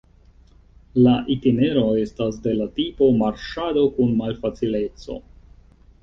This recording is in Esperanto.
La itinero estas de la tipo marŝado kun malfacileco.